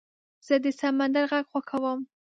زه د سمندر غږ خوښوم.